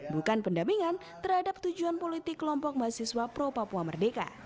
bukan pendampingan terhadap tujuan politik kelompok mahasiswa pro papua merdeka